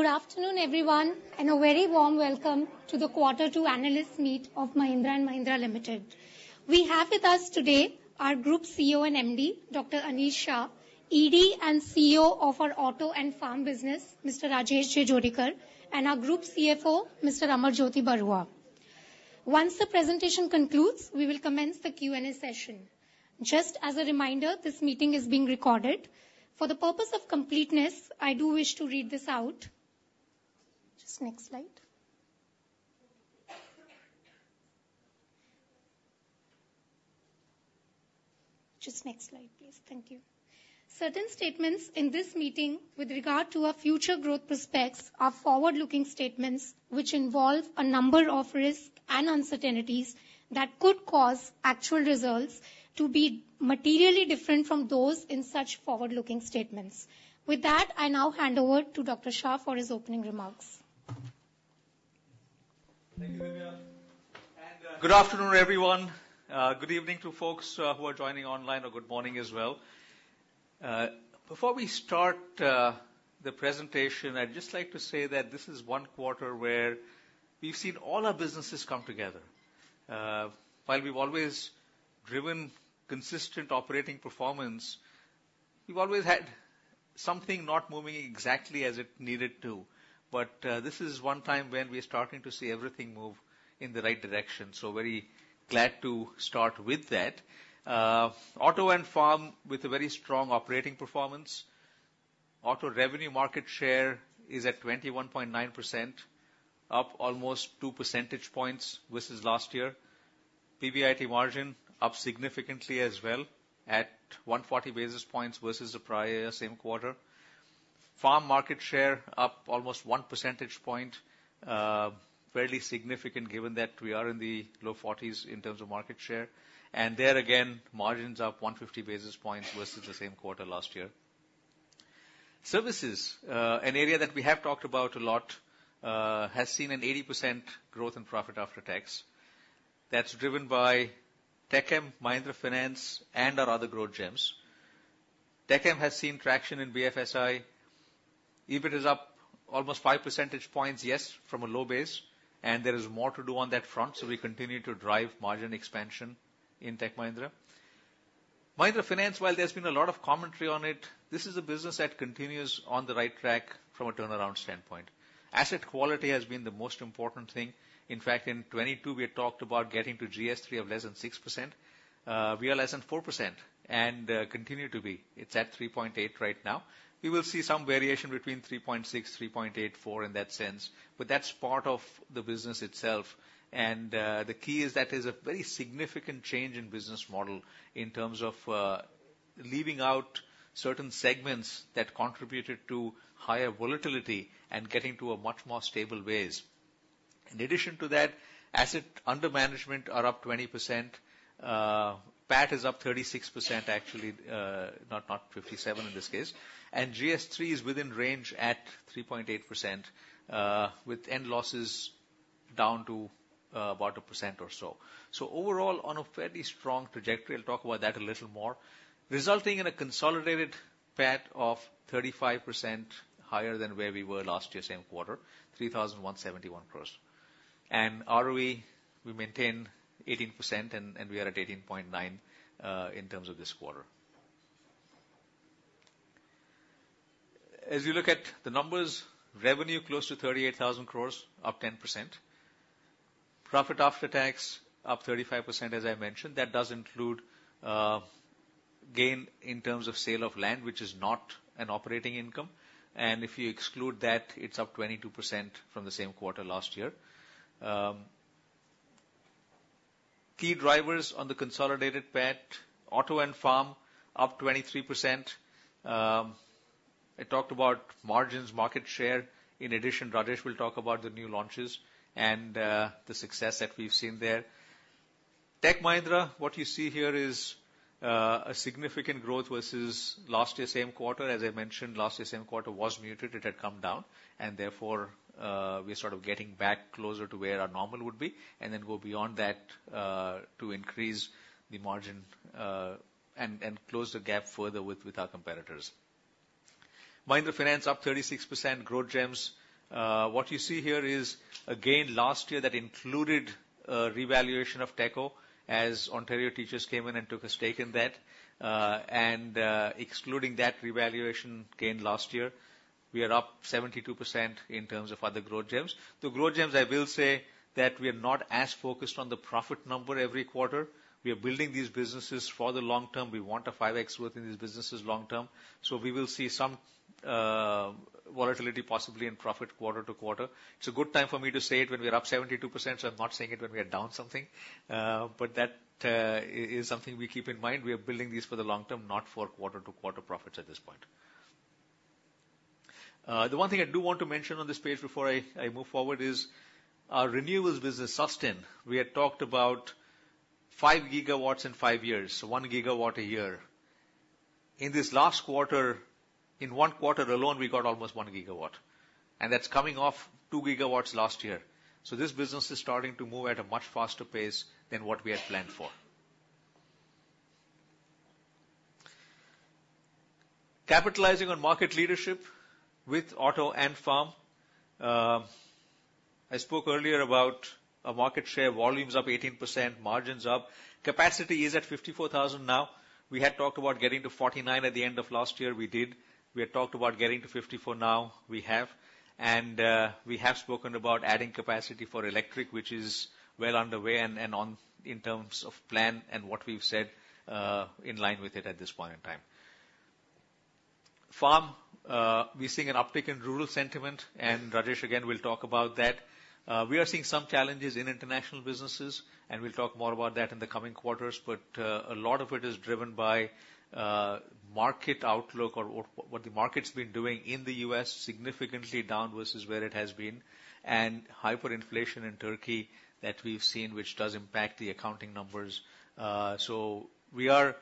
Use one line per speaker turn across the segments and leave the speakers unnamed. Good afternoon, everyone, and a very warm welcome to the Quarter Two Analysts Meet of Mahindra & Mahindra Limited. We have with us today our Group CEO & MD, Dr. Anish Shah, ED & CEO of our Auto & Farm Business, Mr. Rajesh Jejurikar, and our Group CFO, Mr. Amarjyoti Barua. Once the presentation concludes, we will commence the Q&A session. Just as a reminder, this meeting is being recorded. For the purpose of completeness, I do wish to read this out. Just next slide. Just next slide, please. Thank you. Certain statements in this meeting with regard to our future growth prospects are forward-looking statements which involve a number of risks and uncertainties that could cause actual results to be materially different from those in such forward-looking statements. With that, I now hand over to Dr. Shah for his opening remarks.
Good afternoon, everyone. Good evening to folks who are joining online, or good morning as well. Before we start the presentation, I'd just like to say that this is one quarter where we've seen all our businesses come together. While we've always driven consistent operating performance, we've always had something not moving exactly as it needed to. But this is one time when we're starting to see everything move in the right direction. So very glad to start with that. Auto & Farm, with a very strong operating performance, auto revenue market share is at 21.9%, up almost two percentage points versus last year. PBIT margin up significantly as well, at 140 basis points versus the prior same quarter. Farm market share up almost one percentage point, fairly significant given that we are in the low 40s in terms of market share. And there again, margins up 150 basis points versus the same quarter last year. Services, an area that we have talked about a lot, has seen an 80% growth in profit after tax. That's driven by Tech Mahindra, Mahindra Finance, and our other growth gems. Tech Mahindra has seen traction in BFSI. EBIT is up almost five percentage points, yes, from a low base. And there is more to do on that front. So we continue to drive margin expansion in Tech Mahindra. Mahindra Finance, while there's been a lot of commentary on it, this is a business that continues on the right track from a turnaround standpoint. Asset quality has been the most important thing. In fact, in 2022, we had talked about getting to GS3 of less than 6%. We are less than 4% and continue to be. It's at 3.8% right now. We will see some variation between 3.6%, 3.8%, 4% in that sense, but that's part of the business itself, and the key is that is a very significant change in business model in terms of leaving out certain segments that contributed to higher volatility and getting to a much more stable base. In addition to that, assets under management are up 20%. PAT is up 36%, actually, not 57% in this case, and GS3 is within range at 3.8%, with end losses down to about 1% or so. Overall, on a fairly strong trajectory, I'll talk about that a little more, resulting in a consolidated PAT of 35% higher than where we were last year, same quarter, 3,171 crores. ROE, we maintain 18%, and we are at 18.9% in terms of this quarter. As you look at the numbers, revenue close to 38,000 crores, up 10%. Profit after tax up 35%, as I mentioned. That does include gain in terms of sale of land, which is not an operating income, and if you exclude that, it's up 22% from the same quarter last year. Key drivers on the consolidated PAT, auto & farm, up 23%. I talked about margins, market share. In addition, Rajesh will talk about the new launches and the success that we've seen there. Tech Mahindra, what you see here is a significant growth versus last year, same quarter. As I mentioned, last year, same quarter was muted. It had come down, and therefore, we're sort of getting back closer to where our normal would be, and then go beyond that to increase the margin and close the gap further with our competitors. Mahindra Finance, up 36%, growth gems. What you see here is a gain last year that included revaluation of TECO, as Ontario Teachers' came in and took a stake in that. Excluding that revaluation gain last year, we are up 72% in terms of other growth gems. The growth gems, I will say that we are not as focused on the profit number every quarter. We are building these businesses for the long term. We want a 5x growth in these businesses long term. So we will see some volatility possibly in profit quarter to quarter. It's a good time for me to say it when we're up 72%, so I'm not saying it when we're down something. But that is something we keep in mind. We are building these for the long term, not for quarter to quarter profits at this point. The one thing I do want to mention on this page before I move forward is our renewables business, Susten. We had talked about five gigawatts in five years, one gigawatt a year. In this last quarter, in one quarter alone, we got almost one gigawatt. And that's coming off two gigawatts last year. So this business is starting to move at a much faster pace than what we had planned for. Capitalizing on market leadership with Auto & Farm. I spoke earlier about market share volumes up 18%, margins up. Capacity is at 54,000 now. We had talked about getting to 49 at the end of last year. We did. We had talked about getting to 54 now. We have. And we have spoken about adding capacity for electric, which is well underway and in terms of plan and what we've said in line with it at this point in time. Farm, we're seeing an uptick in rural sentiment. And Rajesh, again, will talk about that. We are seeing some challenges in international businesses, and we'll talk more about that in the coming quarters. But a lot of it is driven by market outlook or what the market's been doing in the U.S., significantly down versus where it has been, and hyperinflation in Turkey that we've seen, which does impact the accounting numbers. So we are,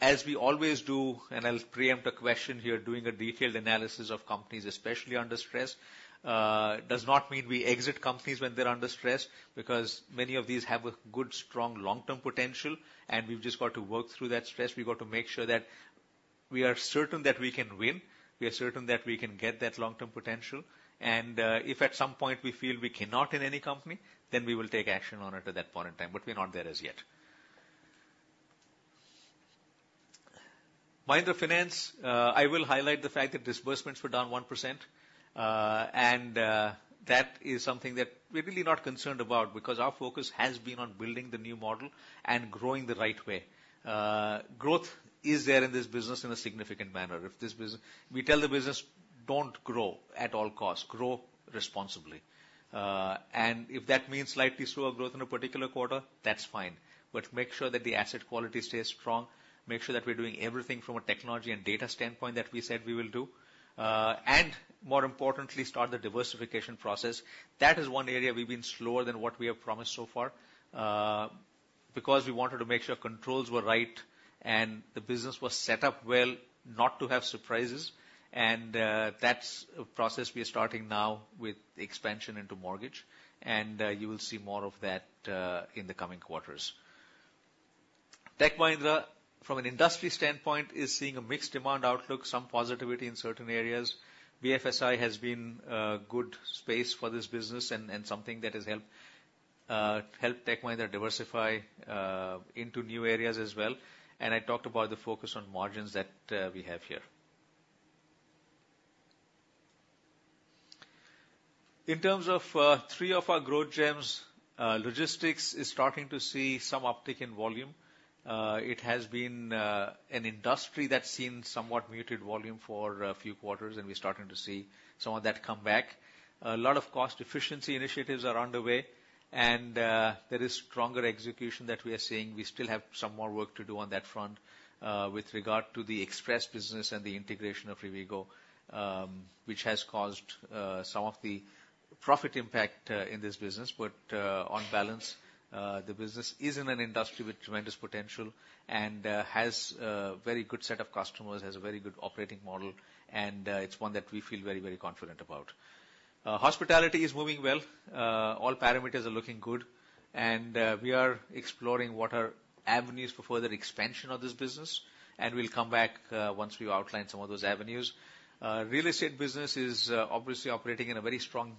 as we always do, and I'll preempt a question here, doing a detailed analysis of companies, especially under stress. It does not mean we exit companies when they're under stress, because many of these have a good, strong long-term potential. We've just got to work through that stress. We've got to make sure that we are certain that we can win. We are certain that we can get that long-term potential. And if at some point we feel we cannot in any company, then we will take action on it at that point in time. But we're not there as yet. Mahindra Finance, I will highlight the fact that disbursements were down 1%. And that is something that we're really not concerned about, because our focus has been on building the new model and growing the right way. Growth is there in this business in a significant manner. If this business, we tell the business, "Don't grow at all costs. Grow responsibly." And if that means slightly slower growth in a particular quarter, that's fine. But make sure that the asset quality stays strong. Make sure that we're doing everything from a technology and data standpoint that we said we will do. And more importantly, start the diversification process. That is one area we've been slower than what we have promised so far, because we wanted to make sure controls were right and the business was set up well not to have surprises. And that's a process we are starting now with expansion into mortgage. And you will see more of that in the coming quarters. Tech Mahindra, from an industry standpoint, is seeing a mixed demand outlook, some positivity in certain areas. BFSI has been a good space for this business and something that has helped Tech Mahindra diversify into new areas as well. And I talked about the focus on margins that we have here. In terms of three of our growth gems, logistics is starting to see some uptick in volume. It has been an industry that's seen somewhat muted volume for a few quarters, and we're starting to see some of that come back. A lot of cost efficiency initiatives are underway, and there is stronger execution that we are seeing. We still have some more work to do on that front with regard to the express business and the integration of Rivigo, which has caused some of the profit impact in this business. But on balance, the business is in an industry with tremendous potential and has a very good set of customers, has a very good operating model, and it's one that we feel very, very confident about. Hospitality is moving well. All parameters are looking good, and we are exploring what are avenues for further expansion of this business, and we'll come back once we've outlined some of those avenues. Real estate business is obviously operating in a very strong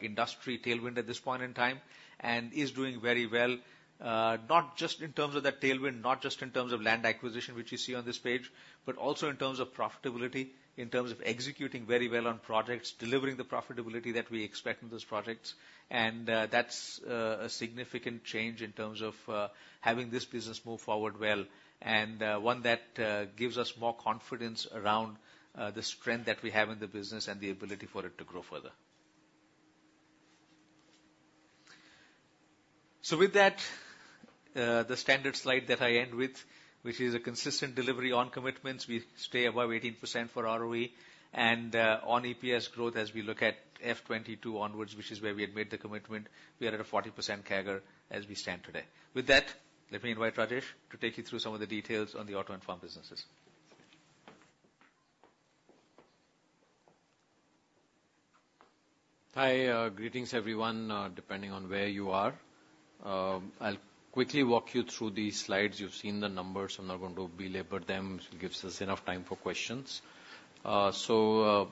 industry tailwind at this point in time and is doing very well, not just in terms of that tailwind, not just in terms of land acquisition, which you see on this page, but also in terms of profitability, in terms of executing very well on projects, delivering the profitability that we expect in those projects. And that's a significant change in terms of having this business move forward well, and one that gives us more confidence around the strength that we have in the business and the ability for it to grow further. So with that, the standard slide that I end with, which is a consistent delivery on commitments, we stay above 18% for ROE and on EPS growth as we look at F22 onwards, which is where we had made the commitment. We are at a 40% CAGR as we stand today. With that, let me invite Rajesh to take you through some of the details on the auto & farm businesses.
Hi, greetings everyone, depending on where you are. I'll quickly walk you through these slides. You've seen the numbers. I'm not going to belabor them. It gives us enough time for questions. So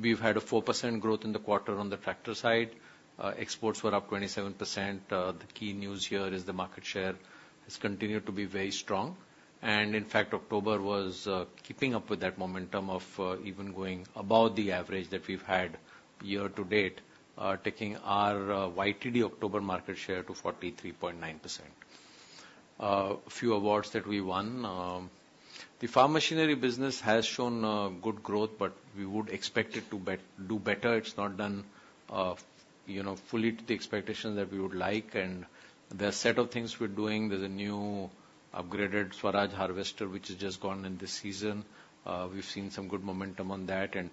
we've had a 4% growth in the quarter on the tractor side. Exports were up 27%. The key news here is the market share has continued to be very strong. And in fact, October was keeping up with that momentum of even going above the average that we've had year to date, taking our YTD October market share to 43.9%. A few awards that we won. The farm machinery business has shown good growth, but we would expect it to do better. It's not done fully to the expectations that we would like. And there's a set of things we're doing. There's a new upgraded Swaraj harvester, which has just gone in this season. We've seen some good momentum on that, and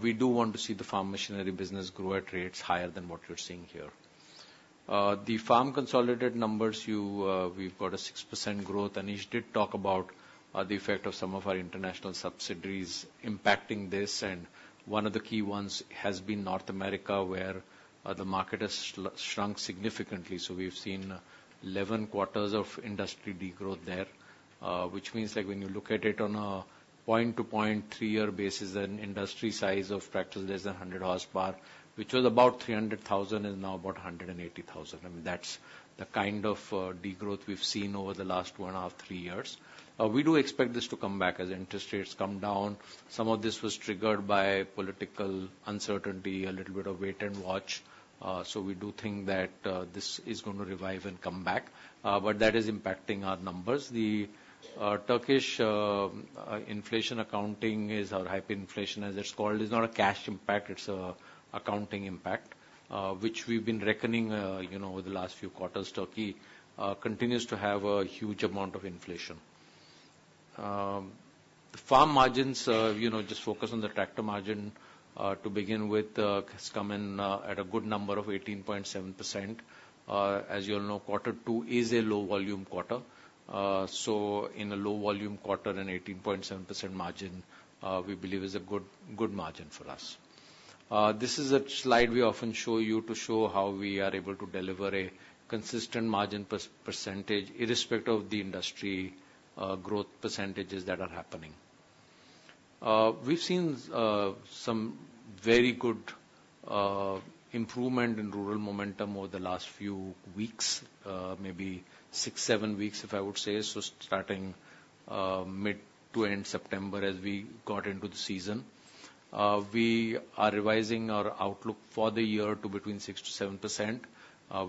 we do want to see the farm machinery business grow at rates higher than what you're seeing here. The farm consolidated numbers, we've got a 6% growth. Anish did talk about the effect of some of our international subsidiaries impacting this. One of the key ones has been North America, where the market has shrunk significantly, so we've seen 11 quarters of industry degrowth there, which means when you look at it on a point-to-point three-year basis, an industry size of tractors less than 100 horsepower, which was about 300,000, is now about 180,000. I mean, that's the kind of degrowth we've seen over the last two and a half, three years. We do expect this to come back as interest rates come down. Some of this was triggered by political uncertainty, a little bit of wait and watch. So we do think that this is going to revive and come back. But that is impacting our numbers. The Turkish inflation accounting is our hyperinflation, as it's called. It's not a cash impact. It's an accounting impact, which we've been reckoning over the last few quarters. Turkey continues to have a huge amount of inflation. Farm margins, just focus on the tractor margin to begin with, has come in at a good number of 18.7%. As you all know, quarter two is a low-volume quarter. So in a low-volume quarter, an 18.7% margin, we believe, is a good margin for us. This is a slide we often show you to show how we are able to deliver a consistent margin percentage, irrespective of the industry growth percentages that are happening. We've seen some very good improvement in rural momentum over the last few weeks, maybe six, seven weeks, if I would say, so starting mid to end September, as we got into the season. We are revising our outlook for the year to between 6%-7%,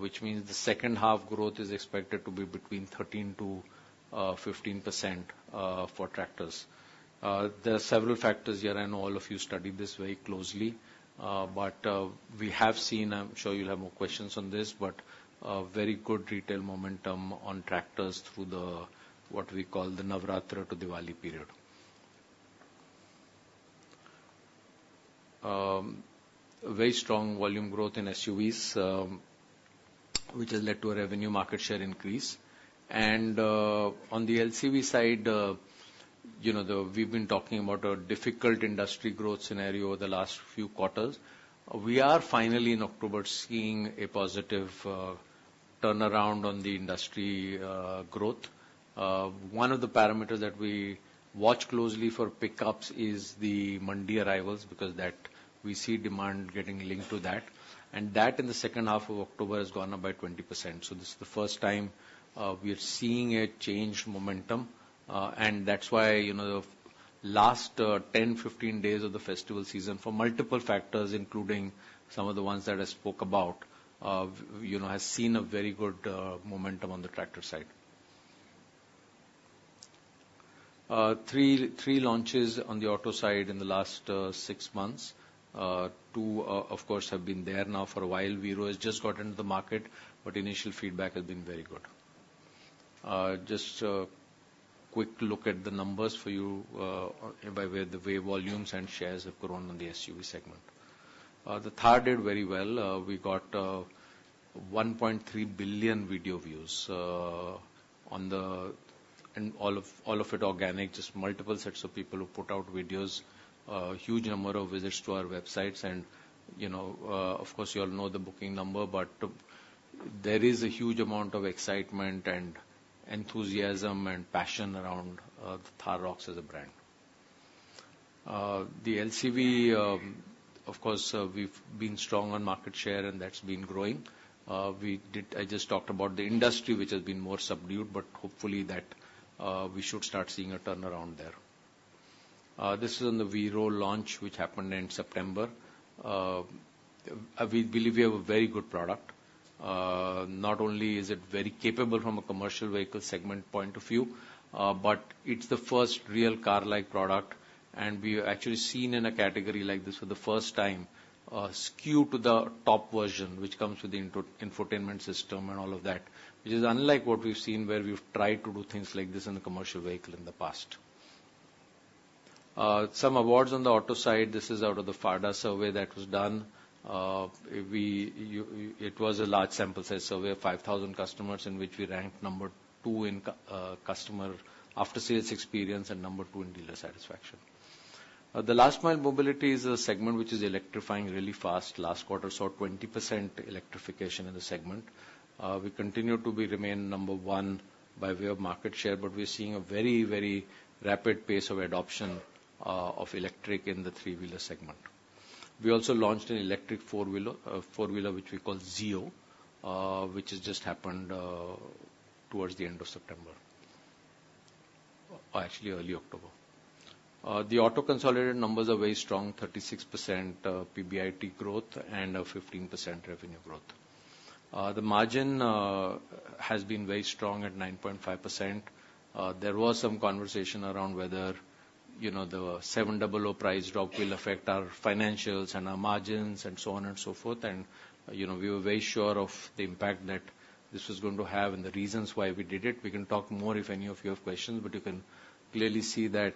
which means the second half growth is expected to be between 13%-15% for tractors. There are several factors here, and all of you studied this very closely, but we have seen, I'm sure you'll have more questions on this, but very good retail momentum on tractors through what we call the Navratri to Diwali period. Very strong volume growth in SUVs, which has led to a revenue market share increase, and on the LCV side, we've been talking about a difficult industry growth scenario over the last few quarters. We are finally, in October, seeing a positive turnaround on the industry growth. One of the parameters that we watch closely for pickups is the Monday arrivals, because we see demand getting linked to that, and that in the second half of October has gone up by 20%, so this is the first time we are seeing a changed momentum, and that's why the last 10, 15 days of the festival season, for multiple factors, including some of the ones that I spoke about, has seen a very good momentum on the tractor side. Three launches on the auto side in the last six months. Two, of course, have been there now for a while. Veero has just got into the market, but initial feedback has been very good. Just a quick look at the numbers for you by the way volumes and shares have grown on the SUV segment. The third did very well. We got 1.3 billion video views on the, and all of it organic, just multiple sets of people who put out videos, a huge number of visits to our websites, and of course, you all know the booking number, but there is a huge amount of excitement and enthusiasm and passion around Thar ROXX as a brand. The LCV, of course, we've been strong on market share, and that's been growing. I just talked about the industry, which has been more subdued, but hopefully that we should start seeing a turnaround there. This is on the Veero launch, which happened in September. We believe we have a very good product. Not only is it very capable from a commercial vehicle segment point of view, but it's the first real car-like product. We've actually seen in a category like this for the first time skew to the top version, which comes with the infotainment system and all of that, which is unlike what we've seen where we've tried to do things like this in a commercial vehicle in the past. Some awards on the auto side. This is out of the FADA survey that was done. It was a large sample size survey of 5,000 customers, in which we ranked number two in customer after-sales experience and number two in dealer satisfaction. The last mile mobility is a segment which is electrifying really fast. Last quarter saw 20% electrification in the segment. We continue to remain number one by way of market share, but we're seeing a very, very rapid pace of adoption of electric in the three-wheeler segment. We also launched an electric four-wheeler, which we call Zeo, which has just happened towards the end of September, or actually early October. The auto consolidated numbers are very strong: 36% PBIT growth and 15% revenue growth. The margin has been very strong at 9.5%. There was some conversation around whether the XUV700 price drop will affect our financials and our margins and so on and so forth. And we were very sure of the impact that this was going to have and the reasons why we did it. We can talk more if any of you have questions, but you can clearly see that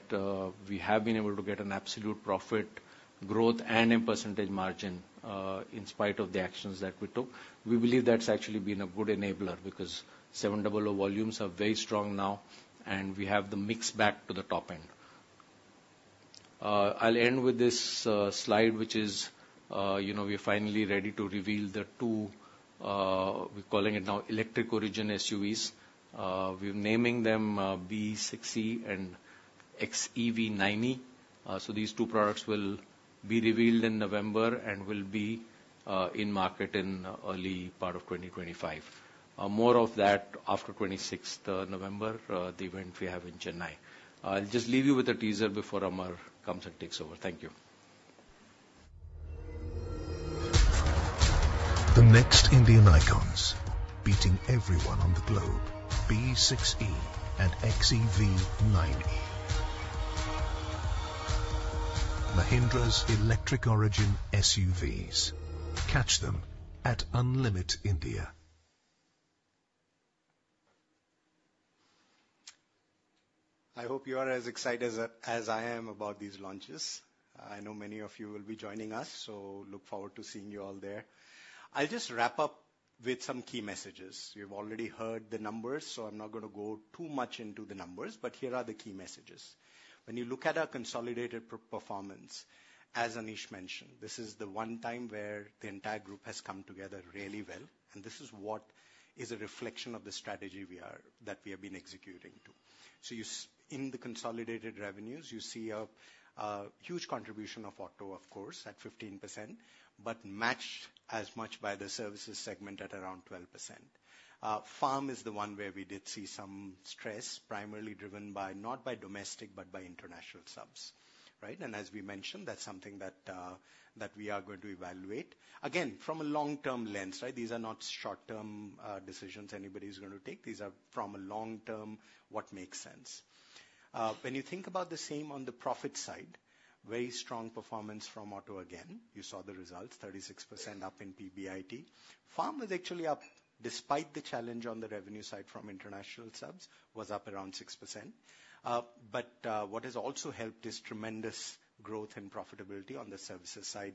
we have been able to get an absolute profit growth and a percentage margin in spite of the actions that we took. We believe that's actually been a good enabler because 700 volumes are very strong now, and we have the mix back to the top end. I'll end with this slide, which is we're finally ready to reveal the two, we're calling it now Electric Origin SUVs. We're naming them BE 6e and XEV 9e. So these two products will be revealed in November and will be in market in the early part of 2025. More of that after 26th November, the event we have in Chennai. I'll just leave you with a teaser before Amar comes and takes over. Thank you.
The next Indian icons, beating everyone on the globe: BE 6e and XEV 9e. Mahindra's electric origin SUVs. Catch them at Unlimit India.
I hope you are as excited as I am about these launches. I know many of you will be joining us, so look forward to seeing you all there. I'll just wrap up with some key messages. You've already heard the numbers, so I'm not going to go too much into the numbers, but here are the key messages. When you look at our consolidated performance, as Anish mentioned, this is the one time where the entire group has come together really well, and this is what is a reflection of the strategy that we have been executing to. So in the consolidated revenues, you see a huge contribution of auto, of course, at 15%, but matched as much by the services segment at around 12%. Farm is the one where we did see some stress, primarily driven not by domestic, but by international subs. As we mentioned, that's something that we are going to evaluate. Again, from a long-term lens, these are not short-term decisions anybody's going to take. These are from a long-term what makes sense. When you think about the same on the profit side, very strong performance from auto again. You saw the results: 36% up in PBIT. Farm was actually up, despite the challenge on the revenue side from international subs, was up around 6%. But what has also helped is tremendous growth and profitability on the services side.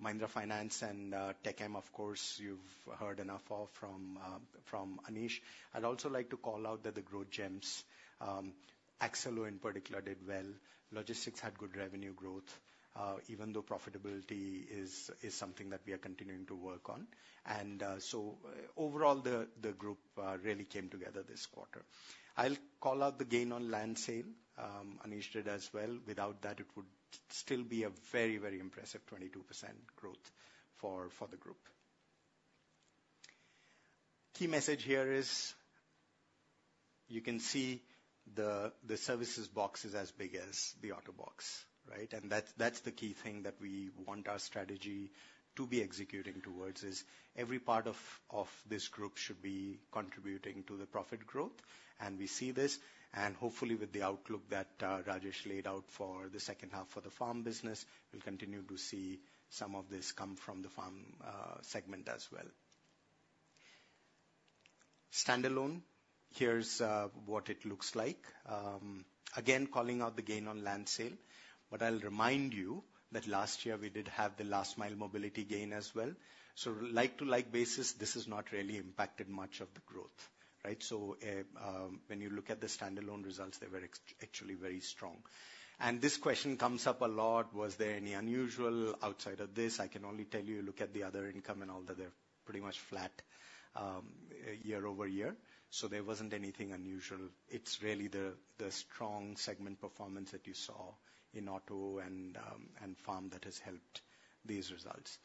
Mahindra Finance and Tech Mahindra, of course, you've heard enough of from Anish. I'd also like to call out that the growth gems, Accelo in particular, did well. Logistics had good revenue growth, even though profitability is something that we are continuing to work on. And so overall, the group really came together this quarter. I'll call out the gain on land sale. Anish did as well. Without that, it would still be a very, very impressive 22% growth for the group. Key message here is you can see the services box is as big as the auto box. And that's the key thing that we want our strategy to be executing towards: every part of this group should be contributing to the profit growth, and we see this, and hopefully, with the outlook that Rajesh laid out for the second half for the farm business, we'll continue to see some of this come from the farm segment as well. Standalone, here's what it looks like. Again, calling out the gain on land sale, but I'll remind you that last year, we did have the last mile mobility gain as well, so like-to-like basis, this has not really impacted much of the growth. So when you look at the standalone results, they were actually very strong. And this question comes up a lot: was there any unusual outside of this? I can only tell you, look at the other income and all that, they're pretty much flat year over year. So there wasn't anything unusual. It's really the strong segment performance that you saw in auto and farm that has helped these results.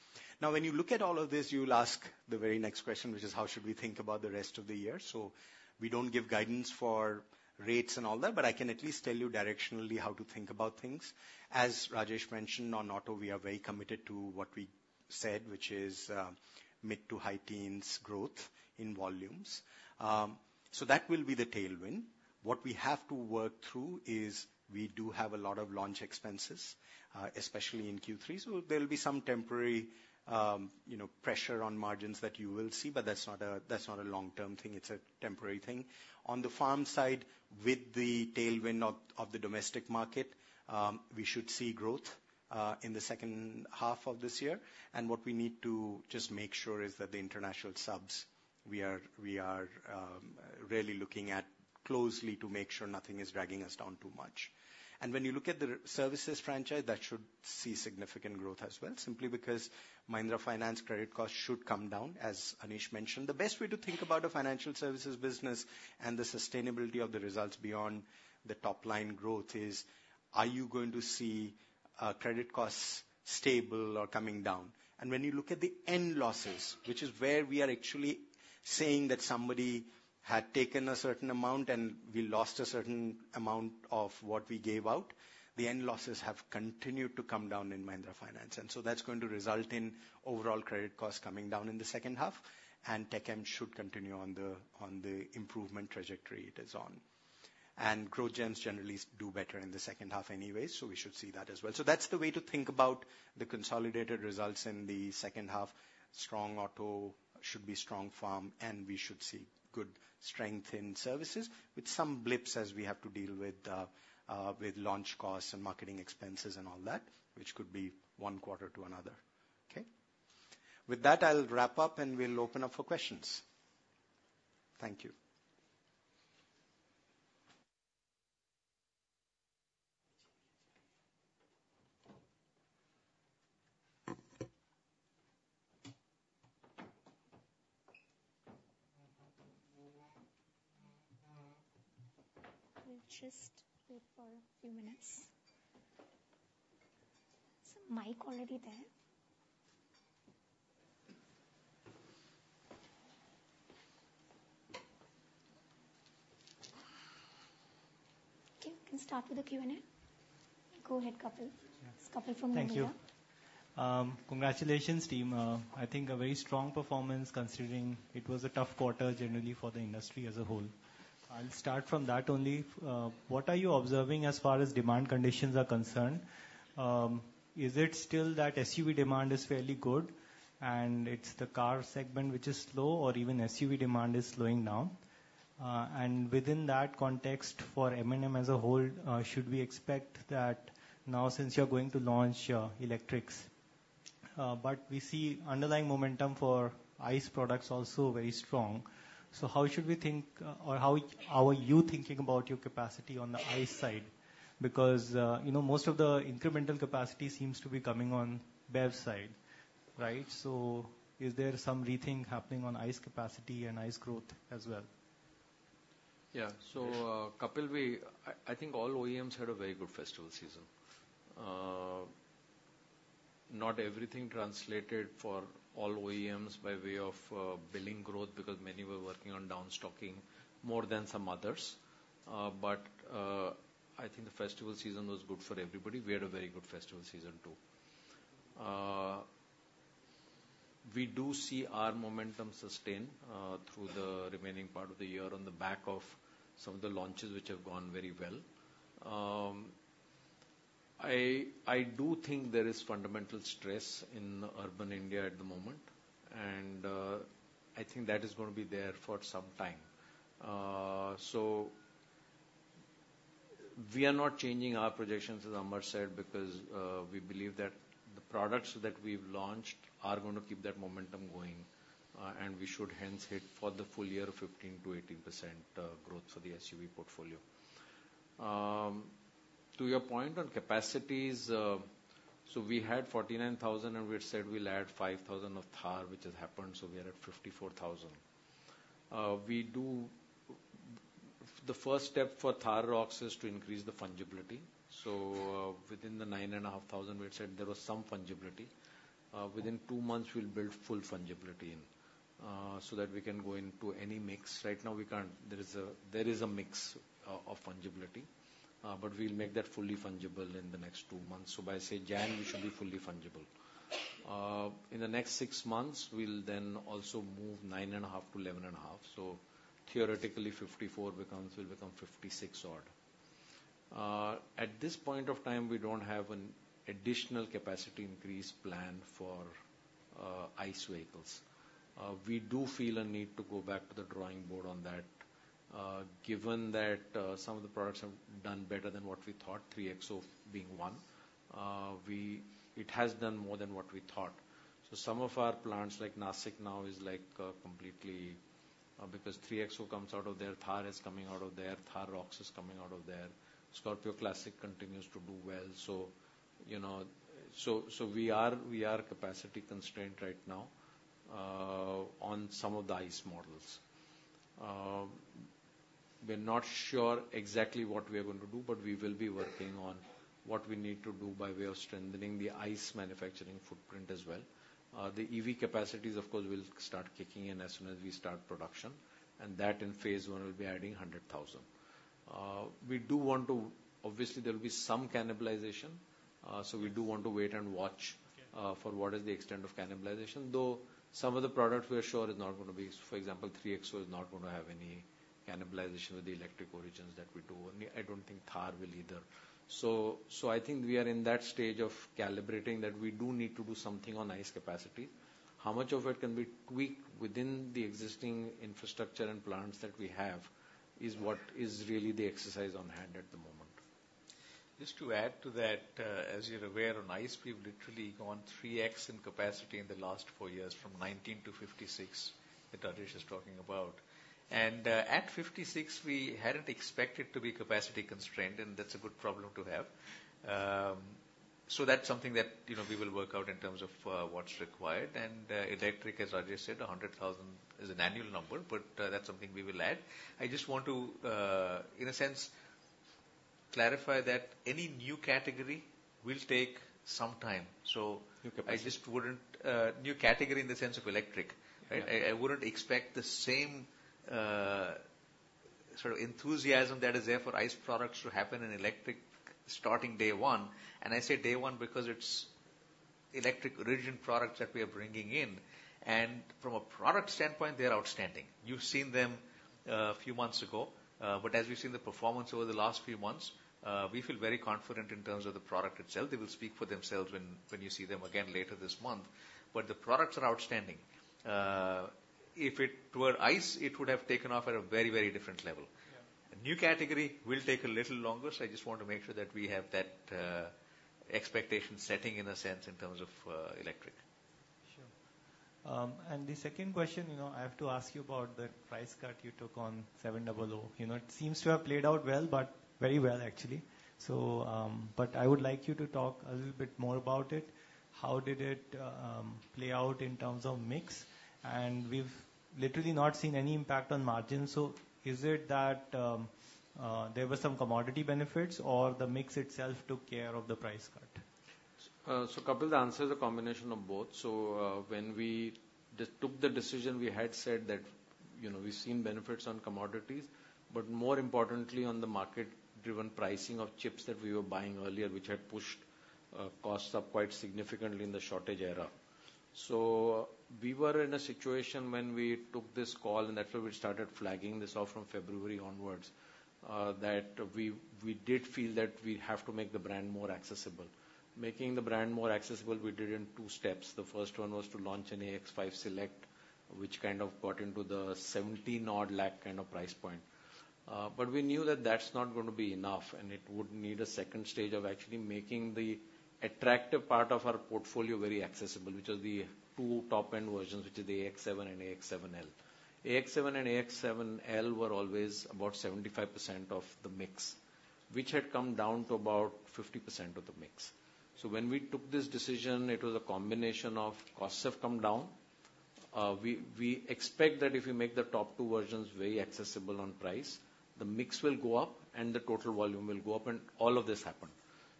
Now, when you look at all of this, you'll ask the very next question, which is how should we think about the rest of the year? So we don't give guidance for rates and all that, but I can at least tell you directionally how to think about things. As Rajesh mentioned, on auto, we are very committed to what we said, which is mid to high teens growth in volumes. So that will be the tailwind. What we have to work through is we do have a lot of launch expenses, especially in Q3. So there'll be some temporary pressure on margins that you will see, but that's not a long-term thing. It's a temporary thing. On the farm side, with the tailwind of the domestic market, we should see growth in the second half of this year. And what we need to just make sure is that the international subs, we are really looking at closely to make sure nothing is dragging us down too much. And when you look at the services franchise, that should see significant growth as well, simply because Mahindra Finance credit costs should come down, as Anish mentioned. The best way to think about a financial services business and the sustainability of the results beyond the top line growth is, are you going to see credit costs stable or coming down? And when you look at the end losses, which is where we are actually saying that somebody had taken a certain amount and we lost a certain amount of what we gave out, the end losses have continued to come down in Mahindra Finance. And so that's going to result in overall credit costs coming down in the second half, and TechM should continue on the improvement trajectory it is on. And growth gems generally do better in the second half anyway, so we should see that as well. So that's the way to think about the consolidated results in the second half. Strong auto should be strong farm, and we should see good strength in services, with some blips as we have to deal with launch costs and marketing expenses and all that, which could be one quarter to another. With that, I'll wrap up, and we'll open up for questions. Thank you.
We'll just wait for a few minutes. Is the mic already there? Okay, we can start with the Q&A. Go ahead, Kapil. It's a Kapil from Mahindra.
Thank you. Congratulations, team. I think a very strong performance considering it was a tough quarter generally for the industry as a whole. I'll start from that only. What are you observing as far as demand conditions are concerned? Is it still that SUV demand is fairly good, and it's the car segment which is slow, or even SUV demand is slowing down? And within that context for M&M as a whole, should we expect that now since you're going to launch electrics? But we see underlying momentum for ICE products also very strong. So how should we think, or how are you thinking about your capacity on the ICE side? Because most of the incremental capacity seems to be coming on BEV side. So is there some rethink happening on ICE capacity and ICE growth as well?
Yeah. So, couple ways, I think all OEMs had a very good festival season. Not everything translated for all OEMs by way of billing growth because many were working on downstocking more than some others. But I think the festival season was good for everybody. We had a very good festival season too. We do see our momentum sustain through the remaining part of the year on the back of some of the launches which have gone very well. I do think there is fundamental stress in urban India at the moment, and I think that is going to be there for some time. We are not changing our projections, as Amar said, because we believe that the products that we've launched are going to keep that momentum going, and we should hence hit for the full year 15%-18% growth for the SUV portfolio. To your point on capacities, so we had 49,000, and we had said we'll add 5,000 of Thar, which has happened, so we are at 54,000. The first step for Thar ROXX is to increase the fungibility. So within the 9,500, we had said there was some fungibility. Within two months, we'll build full fungibility in so that we can go into any mix. Right now, there is a mix of fungibility, but we'll make that fully fungible in the next two months. So by, say, January, we should be fully fungible. In the next six months, we'll then also move 9,500 to 11,500. So theoretically, 54 becomes will become 56 odd. At this point of time, we don't have an additional capacity increase plan for ICE vehicles. We do feel a need to go back to the drawing board on that. Given that some of the products have done better than what we thought, 3XO being one, it has done more than what we thought. So some of our plants, like Nashik now, is completely because 3XO comes out of there, Thar is coming out of there, Thar ROXX is coming out of there. Scorpio Classic continues to do well. So we are capacity constrained right now on some of the ICE models. We're not sure exactly what we are going to do, but we will be working on what we need to do by way of strengthening the ICE manufacturing footprint as well. The EV capacities, of course, will start kicking in as soon as we start production. And that in phase I, we'll be adding 100,000. We do want to obviously, there will be some cannibalization. So we do want to wait and watch for what is the extent of cannibalization. Though some of the products we are sure is not going to be, for example, 3XO is not going to have any cannibalization with the electric origins that we do. I don't think Thar will either. So I think we are in that stage of calibrating that we do need to do something on ICE capacity. How much of it can we tweak within the existing infrastructure and plants that we have is what is really the exercise on hand at the moment. Just to add to that, as you're aware, on ICE, we've literally gone 3X in capacity in the last four years from 19 to 56 that Rajesh is talking about, and at 56, we hadn't expected to be capacity constrained, and that's a good problem to have, so that's something that we will work out in terms of what's required, and electric, as Rajesh said, 100,000 is an annual number, but that's something we will add. I just want to, in a sense, clarify that any new category will take some time, so I just wouldn't new category in the sense of electric. I wouldn't expect the same sort of enthusiasm that is there for ICE products to happen in electric starting day one, and I say day one because it's electric origin products that we are bringing in, and from a product standpoint, they are outstanding. You've seen them a few months ago. But as we've seen the performance over the last few months, we feel very confident in terms of the product itself. They will speak for themselves when you see them again later this month. But the products are outstanding. If it were ICE, it would have taken off at a very, very different level. New category will take a little longer. So I just want to make sure that we have that expectation setting in a sense in terms of electric.
Sure. And the second question, I have to ask you about the price cut you took on XUV700. It seems to have played out well, but very well, actually. But I would like you to talk a little bit more about it. How did it play out in terms of mix? And we've literally not seen any impact on margins. So is it that there were some commodity benefits, or the mix itself took care of the price cut?
So, the answer is a combination of both. When we took the decision, we had said that we've seen benefits on commodities, but more importantly, on the market-driven pricing of chips that we were buying earlier, which had pushed costs up quite significantly in the shortage era. We were in a situation when we took this call, and that's where we started flagging this off from February onwards, that we did feel that we have to make the brand more accessible. Making the brand more accessible, we did in two steps. The first one was to launch an AX5 Select, which kind of got into the 70-odd lakh kind of price point. But we knew that that's not going to be enough, and it would need a second stage of actually making the attractive part of our portfolio very accessible, which are the two top-end versions, which are the AX7 and AX7 L. AX7 and AX7 L were always about 75% of the mix, which had come down to about 50% of the mix. So when we took this decision, it was a combination of costs have come down. We expect that if we make the top two versions very accessible on price, the mix will go up and the total volume will go up. And all of this happened.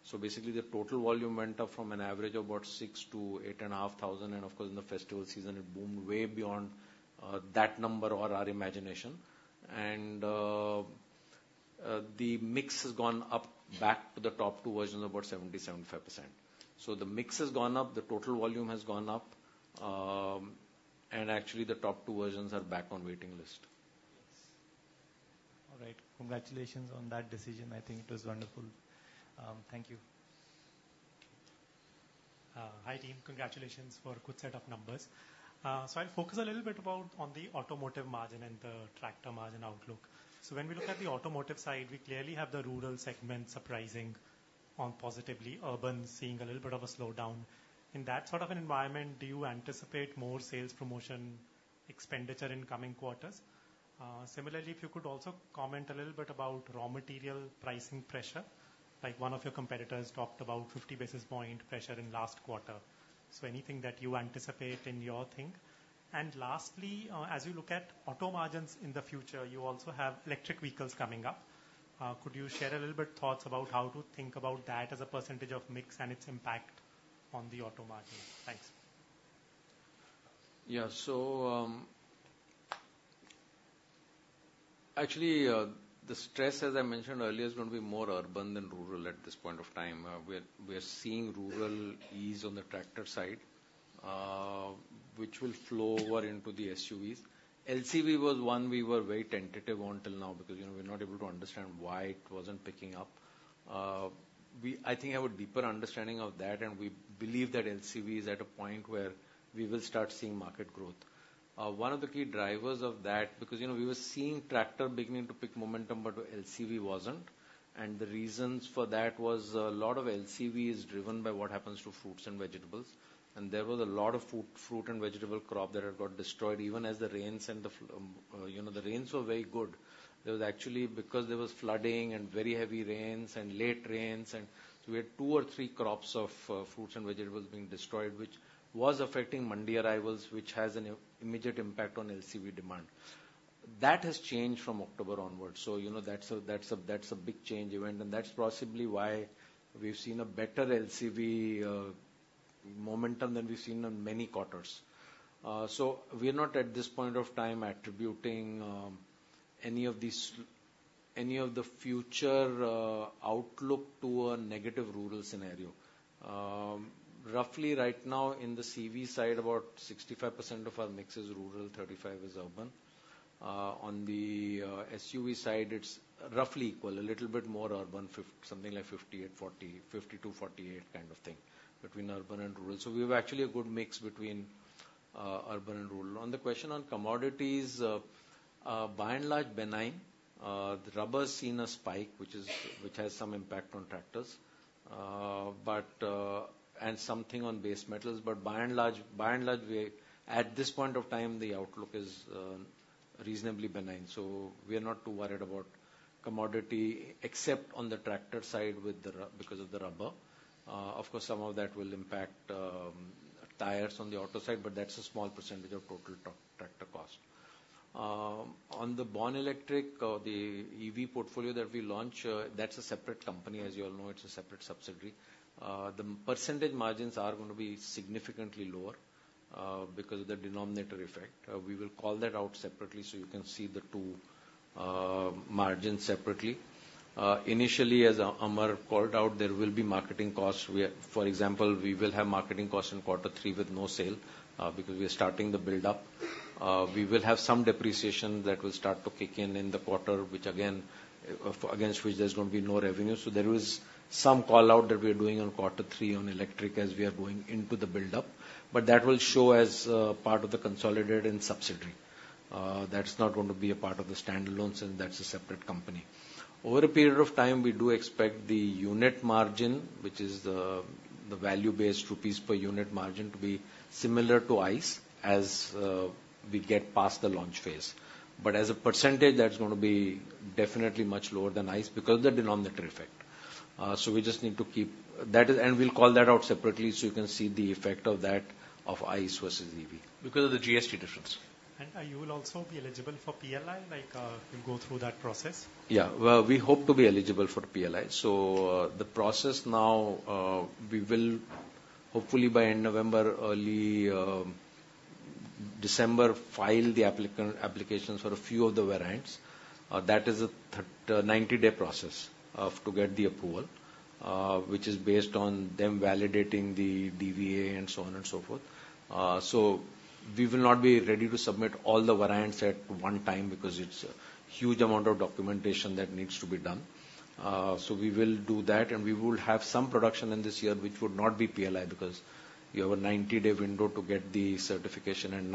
So basically, the total volume went up from an average of about 6 to 8,500. And of course, in the festival season, it boomed way beyond that number or our imagination. And the mix has gone up back to the top two versions of about 70%, 75%. So the mix has gone up, the total volume has gone up, and actually, the top two versions are back on waiting list.
All right. Congratulations on that decision. I think it was wonderful. Thank you.
Hi, team. Congratulations for a good set of numbers. So I'll focus a little bit on the automotive margin and the tractor margin outlook. So when we look at the automotive side, we clearly have the rural segment surprising positively. Urban seeing a little bit of a slowdown. In that sort of an environment, do you anticipate more sales promotion expenditure in coming quarters? Similarly, if you could also comment a little bit about raw material pricing pressure? One of your competitors talked about 50 basis points pressure in last quarter. So anything that you anticipate in your think? And lastly, as you look at auto margins in the future, you also have electric vehicles coming up. Could you share a little bit thoughts about how to think about that as a percentage of mix and its impact on the auto margin? Thanks.
Yeah. So actually, the stress, as I mentioned earlier, is going to be more urban than rural at this point of time. We are seeing rural ease on the tractor side, which will flow over into the SUVs. LCV was one we were very tentative on till now because we're not able to understand why it wasn't picking up. I think I have a deeper understanding of that, and we believe that LCV is at a point where we will start seeing market growth. One of the key drivers of that, because we were seeing tractor beginning to pick momentum, but LCV wasn't. And the reasons for that was a lot of LCV is driven by what happens to fruits and vegetables. And there was a lot of fruit and vegetable crop that had got destroyed even as the rains were very good. There was actually, because there was flooding and very heavy rains and late rains. And so we had two or three crops of fruits and vegetables being destroyed, which was affecting mandi arrivals, which has an immediate impact on LCV demand. That has changed from October onward. So that's a big change event. And that's possibly why we've seen a better LCV momentum than we've seen in many quarters. So we're not at this point of time attributing any of the future outlook to a negative rural scenario. Roughly right now, in the CV side, about 65% of our mix is rural, 35% is urban. On the SUV side, it's roughly equal, a little bit more urban, something like 50% to 48% kind of thing between urban and rural. So we have actually a good mix between urban and rural. On the question on commodities, by and large, benign. The rubber has seen a spike, which has some impact on tractors and something on base metals. But by and large, at this point of time, the outlook is reasonably benign. So we are not too worried about commodity, except on the tractor side because of the rubber. Of course, some of that will impact tires on the auto side, but that's a small percentage of total tractor cost. On the Born Electric, the EV portfolio that we launch, that's a separate company. As you all know, it's a separate subsidiary. The percentage margins are going to be significantly lower because of the denominator effect. We will call that out separately so you can see the two margins separately. Initially, as Amar called out, there will be marketing costs. For example, we will have marketing costs in quarter three with no sale because we are starting the build-up. We will have some depreciation that will start to kick in in the quarter, which again, against which there's going to be no revenue. So there is some call-out that we are doing on quarter three on electric as we are going into the build-up. But that will show as part of the consolidated and subsidiary. That's not going to be a part of the standalone since that's a separate company. Over a period of time, we do expect the unit margin, which is the value-based rupees per unit margin, to be similar to ICE as we get past the launch phase. But as a percentage, that's going to be definitely much lower than ICE because of the denominator effect. So we just need to keep that, and we'll call that out separately so you can see the effect of that of ICE versus EV. Because of the GST difference.
You will also be eligible for PLI? You'll go through that process?
Yeah. Well, we hope to be eligible for PLI. So the process now, we will hopefully by end November, early December, file the applications for a few of the variants. That is a 90-day process to get the approval, which is based on them validating the DVA and so on and so forth. So we will not be ready to submit all the variants at one time because it's a huge amount of documentation that needs to be done. So we will do that. And we will have some production in this year, which would not be PLI because you have a 90-day window to get the certification. And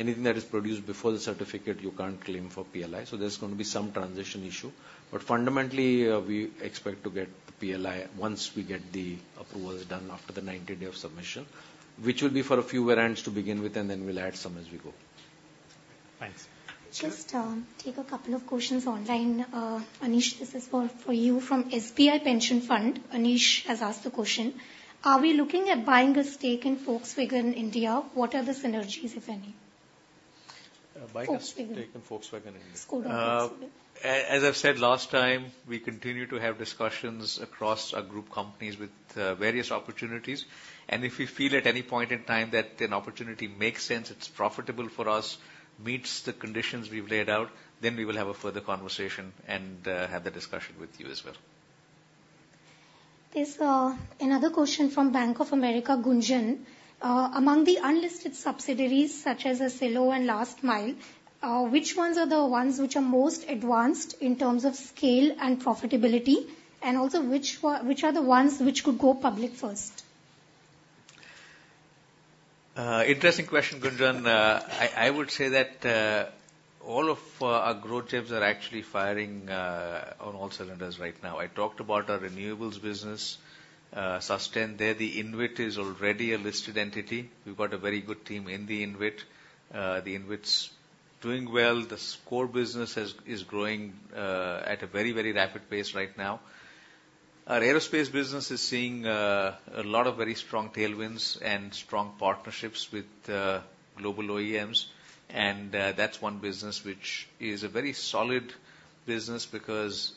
now, anything that is produced before the certificate, you can't claim for PLI. So there's going to be some transition issue. But fundamentally, we expect to get the PLI once we get the approvals done after the 90-day of submission, which will be for a few variants to begin with, and then we'll add some as we go.
Thanks.
Just take a couple of questions online. Anish, this is for you from SBI Pension Fund. Anish has asked the question. Are we looking at buying a stake in Volkswagen India? What are the synergies, if any?
Buying a stake in Volkswagen India. As I've said last time, we continue to have discussions across our group companies with various opportunities, and if we feel at any point in time that an opportunity makes sense, it's profitable for us, meets the conditions we've laid out, then we will have a further conversation and have the discussion with you as well.
There's another question from Bank of America, Gunjan. Among the unlisted subsidiaries such as Accelo and Last Mile, which ones are the ones which are most advanced in terms of scale and profitability? And also, which are the ones which could go public first?
Interesting question, Gunjan. I would say that all of our growth engines are actually firing on all cylinders right now. I talked about our renewables business, Susten. There, the InvIT is already a listed entity. We've got a very good team in the InvIT. The InvIT's doing well. The core business is growing at a very, very rapid pace right now. Our aerospace business is seeing a lot of very strong tailwinds and strong partnerships with global OEMs. And that's one business which is a very solid business because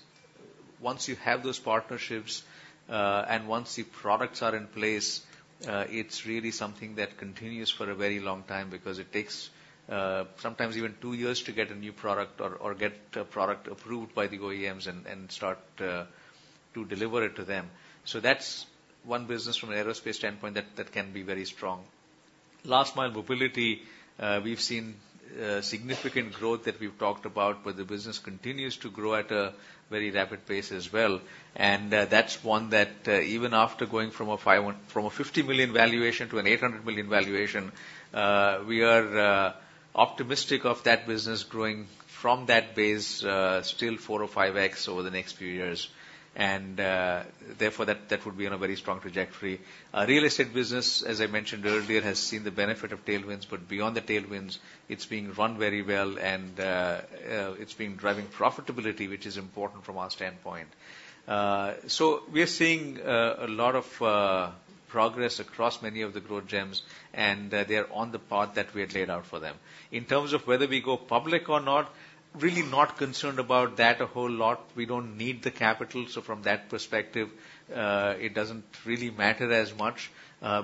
once you have those partnerships and once the products are in place, it's really something that continues for a very long time because it takes sometimes even two years to get a new product or get a product approved by the OEMs and start to deliver it to them. So that's one business from an aerospace standpoint that can be very strong. Last Mile Mobility, we've seen significant growth that we've talked about, but the business continues to grow at a very rapid pace as well. And that's one that even after going from a 50 million valuation to an 800 million valuation, we are optimistic of that business growing from that base, still 4x or 5x over the next few years. And therefore, that would be on a very strong trajectory. Real estate business, as I mentioned earlier, has seen the benefit of tailwinds. But beyond the tailwinds, it's being run very well, and it's been driving profitability, which is important from our standpoint. So we're seeing a lot of progress across many of the growth gems, and they are on the path that we had laid out for them. In terms of whether we go public or not, really not concerned about that a whole lot. We don't need the capital. So from that perspective, it doesn't really matter as much.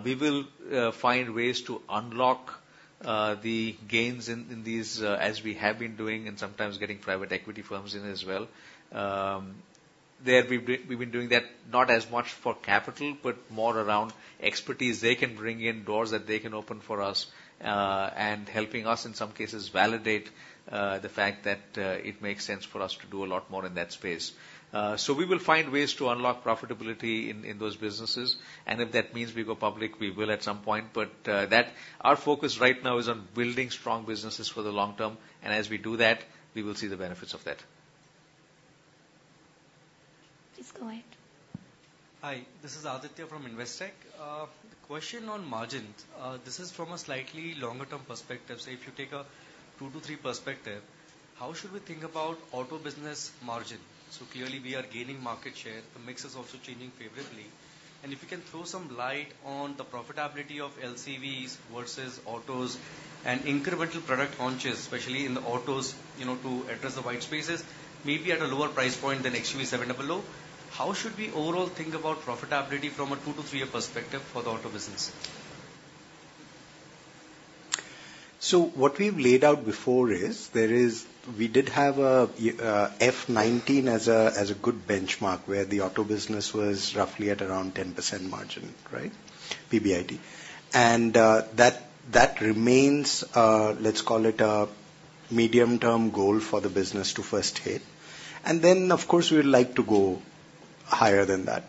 We will find ways to unlock the gains in these as we have been doing and sometimes getting private equity firms in as well. There, we've been doing that not as much for capital, but more around expertise. They can bring in doors that they can open for us and helping us in some cases validate the fact that it makes sense for us to do a lot more in that space. So we will find ways to unlock profitability in those businesses. And if that means we go public, we will at some point. But our focus right now is on building strong businesses for the long term. As we do that, we will see the benefits of that.
Please go ahead.
Hi. This is Aditya from Investec. The question on margin, this is from a slightly longer-term perspective. So if you take a two- to three-year perspective, how should we think about auto business margin? So clearly, we are gaining market share. The mix is also changing favorably. And if you can throw some light on the profitability of LCVs versus autos and incremental product launches, especially in the autos to address the white spaces, maybe at a lower price point than XUV700, how should we overall think about profitability from a two- to three-year perspective for the auto business?
So what we've laid out before is we did have F19 as a good benchmark where the auto business was roughly at around 10% margin, right? PBIT. And that remains, let's call it a medium-term goal for the business to first hit. And then, of course, we would like to go higher than that.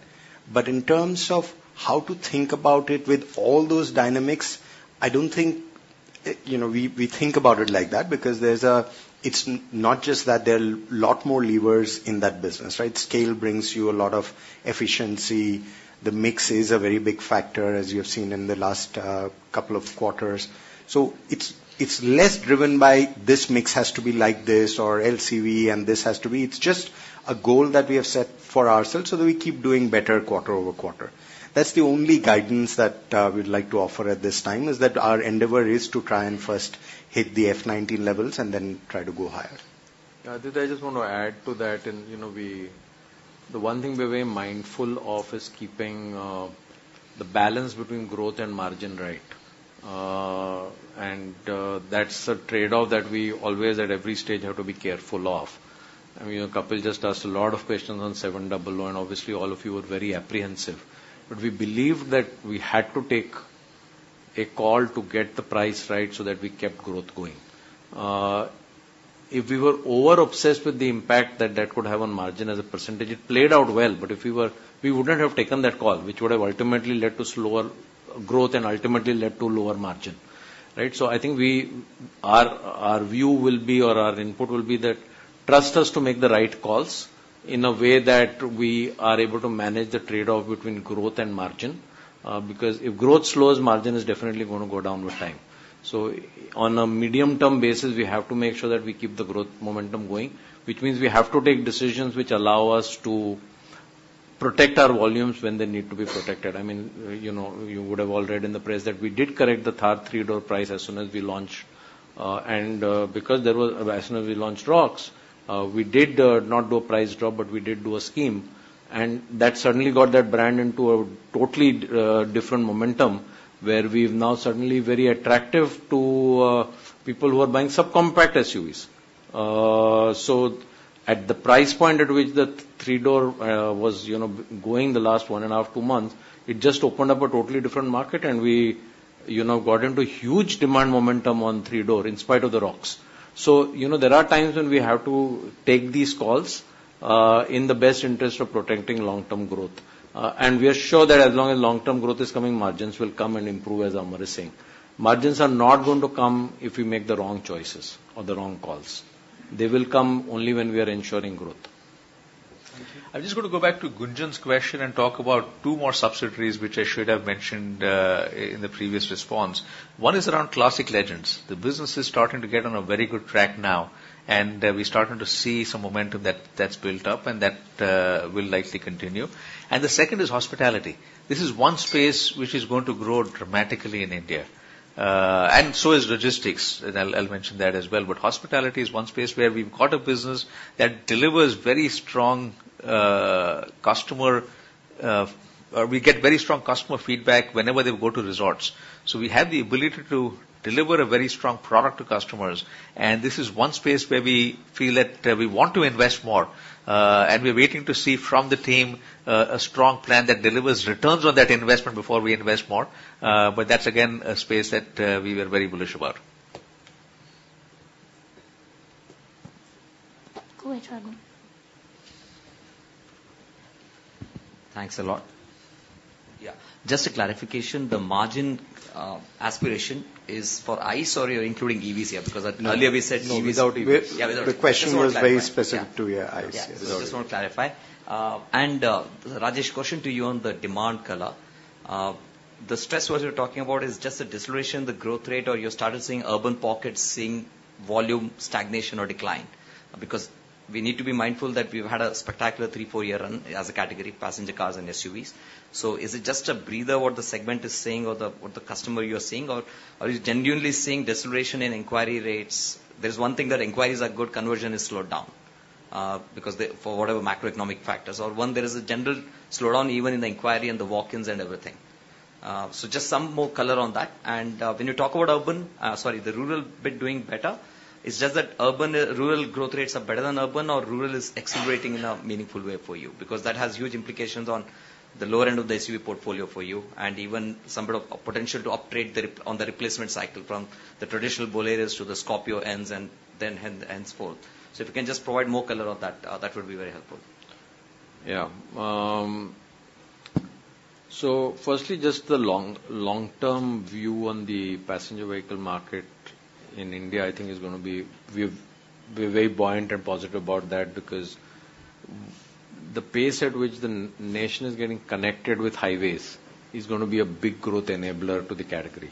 But in terms of how to think about it with all those dynamics, I don't think we think about it like that because it's not just that there are a lot more levers in that business, right? Scale brings you a lot of efficiency. The mix is a very big factor, as you have seen in the last couple of quarters. So it's less driven by this mix has to be like this or LCV and this has to be. It's just a goal that we have set for ourselves so that we keep doing better quarter over quarter. That's the only guidance that we'd like to offer at this time is that our endeavor is to try and first hit the FY19 levels and then try to go higher.
Aditya, I just want to add to that. The one thing we're very mindful of is keeping the balance between growth and margin right. And that's a trade-off that we always, at every stage, have to be careful of. I mean, Kapil just asked a lot of questions on 700, and obviously, all of you were very apprehensive. But we believed that we had to take a call to get the price right so that we kept growth going. If we were over-obsessed with the impact that that could have on margin as a percentage, it played out well. But if we were, we wouldn't have taken that call, which would have ultimately led to slower growth and ultimately led to lower margin, right? So I think our view will be or our input will be that trust us to make the right calls in a way that we are able to manage the trade-off between growth and margin. Because if growth slows, margin is definitely going to go down with time. So on a medium-term basis, we have to make sure that we keep the growth momentum going, which means we have to take decisions which allow us to protect our volumes when they need to be protected. I mean, you would have already read in the press that we did correct the Thar three-door price as soon as we launched. And because there was, as soon as we launched ROXX, we did not do a price drop, but we did do a scheme. And that suddenly got that brand into a totally different momentum where we've now suddenly very attractive to people who are buying subcompact SUVs. So at the price point at which the three-door was going the last one and a half, two months, it just opened up a totally different market, and we got into huge demand momentum on three-door in spite of the ROXX. So there are times when we have to take these calls in the best interest of protecting long-term growth. And we are sure that as long as long-term growth is coming, margins will come and improve as Amar is saying. Margins are not going to come if we make the wrong choices or the wrong calls. They will come only when we are ensuring growth.
Thank you.
I'm just going to go back to Gunjan's question and talk about two more subsidiaries which I should have mentioned in the previous response. One is around Classic Legends. The business is starting to get on a very good track now, and we're starting to see some momentum that's built up and that will likely continue, and the second is hospitality. This is one space which is going to grow dramatically in India, and so is logistics. I'll mention that as well, but hospitality is one space where we've got a business that delivers very strong customer feedback whenever they go to resorts. So we have the ability to deliver a very strong product to customers, and this is one space where we feel that we want to invest more. We're waiting to see from the team a strong plan that delivers returns on that investment before we invest more. That's, again, a space that we were very bullish about.
Go ahead, Raghunandhan.
Thanks a lot. Yeah. Just a clarification. The margin aspiration is for ICE or you're including EVs here? Because earlier we said EVs. No, without EVs.
Yeah, without EVs.
The question was very specific to, yeah, ICE.
Just want to clarify. Rajesh, question to you on the demand color. The stressors you're talking about is just a deceleration in the growth rate or you're starting to seeing urban pockets seeing volume stagnation or decline? Because we need to be mindful that we've had a spectacular three, four-year run as a category, passenger cars and SUVs. Is it just a breather what the segment is seeing or what the customer you're seeing? Are you genuinely seeing deceleration in inquiry rates? There's one thing that inquiries are good, conversion is slowed down because for whatever macroeconomic factors. One, there is a general slowdown even in the inquiry and the walk-ins and everything. Just some more color on that. When you talk about urban, sorry, the rural bit doing better, it's just that rural growth rates are better than urban or rural is accelerating in a meaningful way for you? Because that has huge implications on the lower end of the SUV portfolio for you and even some potential to upgrade on the replacement cycle from the traditional Boleros to the Scorpio-Ns and then henceforth. So if you can just provide more color on that, that would be very helpful.
Yeah. So firstly, just the long-term view on the passenger vehicle market in India, I think, is going to be we're very buoyant and positive about that because the pace at which the nation is getting connected with highways is going to be a big growth enabler to the category.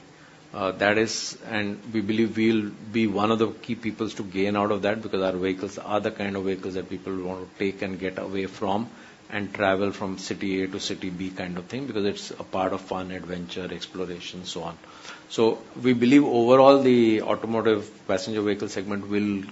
And we believe we'll be one of the key people to gain out of that because our vehicles are the kind of vehicles that people want to take and get away from and travel from city A to city B kind of thing because it's a part of fun, adventure, exploration, so on. So we believe overall the automotive passenger vehicle segment will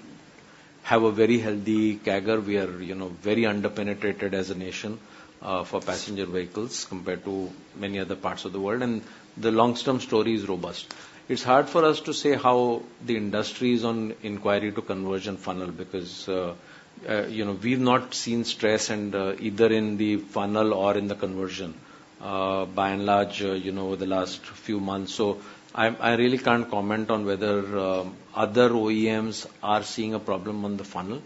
have a very healthy CAGR. We are very underpenetrated as a nation for passenger vehicles compared to many other parts of the world. And the long-term story is robust. It's hard for us to say how the industry is on inquiry to conversion funnel because we've not seen stress either in the funnel or in the conversion by and large over the last few months. So I really can't comment on whether other OEMs are seeing a problem on the funnel.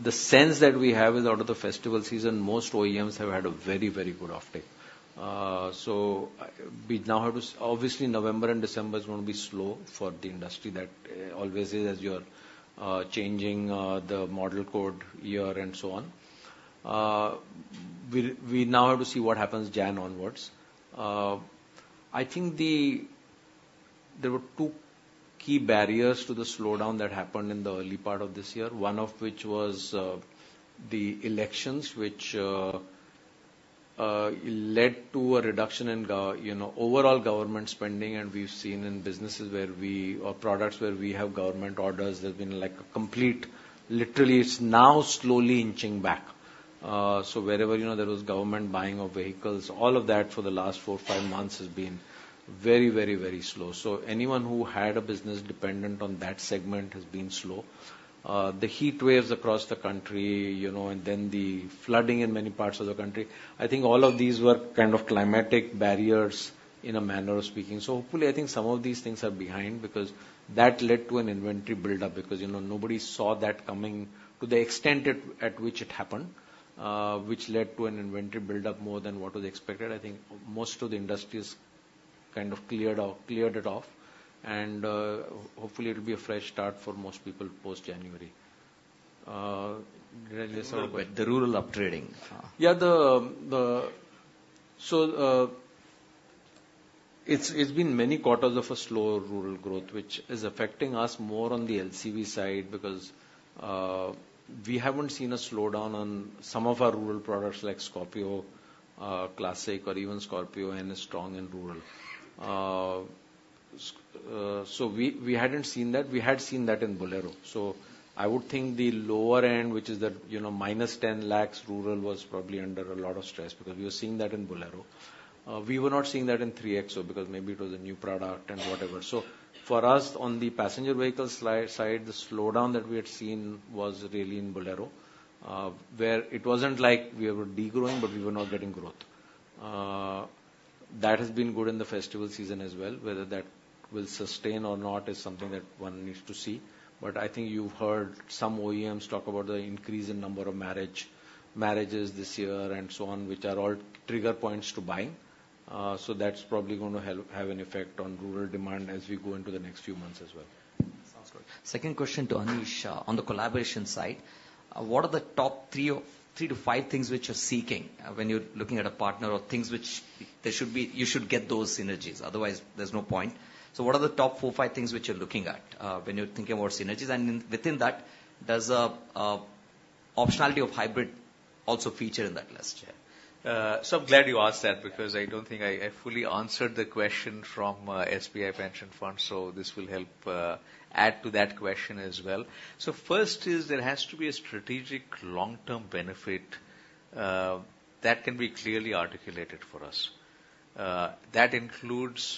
The sense that we have is out of the festival season, most OEMs have had a very, very good offtake. So we now have to obviously, November and December is going to be slow for the industry. That always is as you're changing the model code year and so on. We now have to see what happens January onwards. I think there were two key barriers to the slowdown that happened in the early part of this year, one of which was the elections, which led to a reduction in overall government spending. We've seen in businesses or products where we have government orders. There's been a complete literally. It's now slowly inching back. So wherever there was government buying of vehicles, all of that for the last four, five months has been very, very, very slow. So anyone who had a business dependent on that segment has been slow. The heat waves across the country and then the flooding in many parts of the country, I think all of these were kind of climatic barriers in a manner of speaking. So hopefully, I think some of these things are behind because that led to an inventory build-up because nobody saw that coming to the extent at which it happened, which led to an inventory build-up more than what was expected. I think most of the industries kind of cleared it off. Hopefully, it'll be a fresh start for most people post-January. The rural upgrading. Yeah. So it's been many quarters of a slow rural growth, which is affecting us more on the LCV side because we haven't seen a slowdown on some of our rural products like Scorpio Classic or even Scorpio-N is strong in rural. So we hadn't seen that. We had seen that in Bolero. So I would think the lower end, which is that minus 10 lakhs rural was probably under a lot of stress because we were seeing that in Bolero. We were not seeing that in 3XO because maybe it was a new product and whatever. So for us, on the passenger vehicle side, the slowdown that we had seen was really in Bolero where it wasn't like we were degrowing, but we were not getting growth. That has been good in the festival season as well. Whether that will sustain or not is something that one needs to see. But I think you've heard some OEMs talk about the increase in number of marriages this year and so on, which are all trigger points to buying. So that's probably going to have an effect on rural demand as we go into the next few months as well.
Sounds good. Second question to Anish on the collaboration side. What are the top three to five things which you're seeking when you're looking at a partner or things which you should get those synergies? Otherwise, there's no point. So what are the top four, five things which you're looking at when you're thinking about synergies? And within that, does optionality of hybrid also feature in that list?
Yeah. So I'm glad you asked that because I don't think I fully answered the question from SBI Pension Fund, so this will help add to that question as well. So first is there has to be a strategic long-term benefit that can be clearly articulated for us. That includes